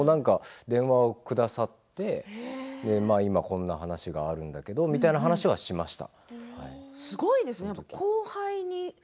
電話をくださって今こんな話があるんだけどというすごいですね